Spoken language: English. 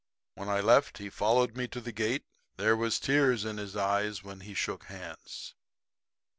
When I left he followed me to the gate. There was tears in his eyes when he shook hands.